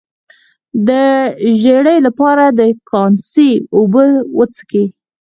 د ژیړي لپاره د کاسني اوبه وڅښئ